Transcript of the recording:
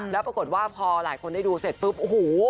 แล้วปรากฏว่าพอหลายคนได้ดูเสร็จปุ๊บโอ้โห